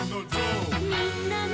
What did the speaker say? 「みんなの」